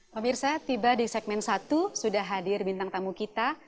pemirsa tiba di segmen satu sudah hadir bintang tamu kita